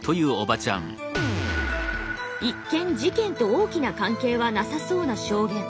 一見事件と大きな関係はなさそうな証言。